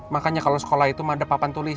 makanya kalau sekolah itu mada papan tulis